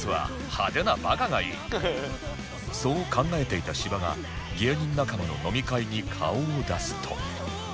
そう考えていた芝が芸人仲間の飲み会に顔を出すと